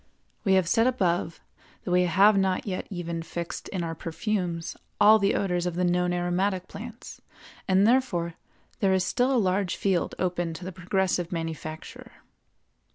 We have said above that we have not yet even fixed in our perfumes all the odors of the known aromatic plants, and therefore there is still a large field open to the progressive manufacturer.